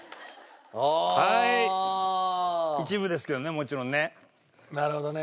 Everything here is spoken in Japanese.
一部ですけどねもちろんね。なるほどね。